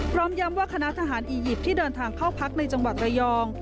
พร้อมย้ำว่าคณะทหารอียิปต์ที่เดินทางเข้าพักในจังหวัดระยอง